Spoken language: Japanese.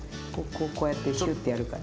こうやってひゅってやるから。